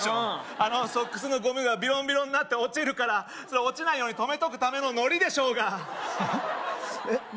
あのソックスのゴムがビロンビロンになって落ちるからそれ落ちないように止めとくための糊でしょうがえっ糊？